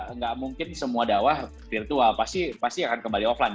nggak mungkin semua dakwah virtual pasti akan kembali offline